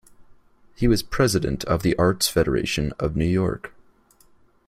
He was president of the Arts Federation of New York.